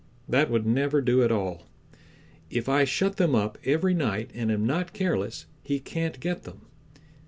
That would never do at all. If I shut them up every night and am not careless, he can't get them.